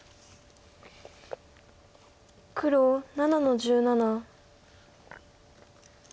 黒７の十七。